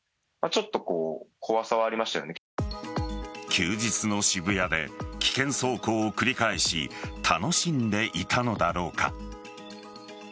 休日の渋谷で危険走行を繰り返し楽しんでいたのだろうか。